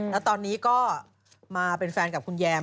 แล้วตอนนี้ก็มาเป็นแฟนกับคุณแยม